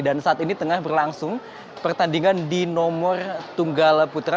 saat ini tengah berlangsung pertandingan di nomor tunggal putra